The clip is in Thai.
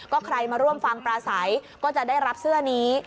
ก็ใครมาร่วมฟังปลาใสก็จะได้รับเสื้อนี้